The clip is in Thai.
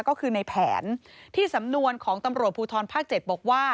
ก็คือในแผนที่สำนวนของตำรวจภูทรภาค๗บอกว่า